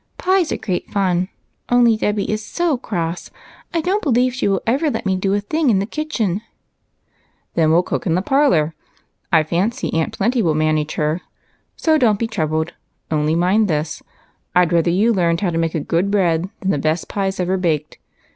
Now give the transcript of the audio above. Pies are great fun, only Dolly is so cross, I don't believe she will ever let me do a thing in the kitchen." " Then we '11 cook in the parlor. I fancy Aunt BREAD AND BUTTON HOLES. 183 Plenty will manage her, so don't be troubled. Only mind this, I 'd rather you learned how to make good bread than the best pies ever baked.